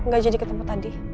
gak jadi ketemu tadi